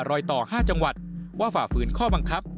รอยต่อ๕จังหวัดว่าฝ่าฝืนข้อบังคับ